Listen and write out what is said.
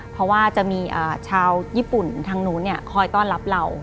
เพราะว่าจะมีชาวญี่ปุ่นทางนู้นคอยต้อนรับเรา